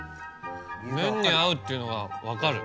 麺に合うっていうのが分かる。